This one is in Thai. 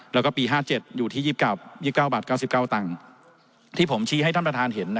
แล้วก็ปี๕๗อยู่ที่๒๙บาท๙๙ตังค์ที่ผมชี้ให้ท่านประธานเห็น